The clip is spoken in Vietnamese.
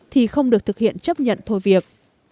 thì không được thực hiện chấp nhận thôi việc